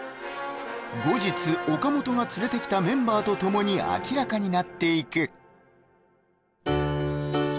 後日岡本が連れてきたメンバーとともに明らかになっていく